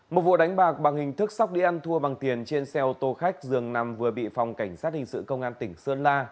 một vụ đánh bạc bằng hình thức sóc đi ăn thua bằng tiền trên xe ô tô khách dường nằm vừa bị phòng cảnh sát hình sự công an tỉnh sơn la